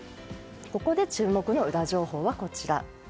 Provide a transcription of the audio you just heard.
ここで、注目のウラ情報はこちら。